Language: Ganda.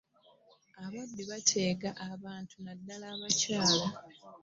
Ababbi bateega abantu naddala abakyala.